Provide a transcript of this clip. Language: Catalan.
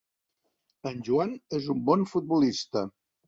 En Joan és un bon futbolista.